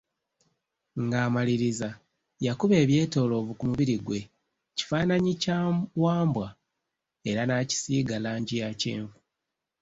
Nga amaliriza, yakuba ebyetoloovu ku mubiri gwe kifananyi kya Wambwa era naakisiiga langi ya kyenvu.